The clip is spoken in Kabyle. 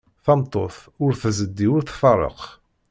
Tameṭṭut ur tzeddi, ur tfeṛṛeq.